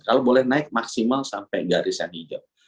kalau boleh naik maksimal sampai garis yang hijau